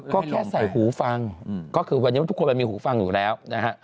ก็แค่ใส่หูฟังก็คือวันนี้ทุกคนมันมีหูฟังอยู่แล้วนะฮะ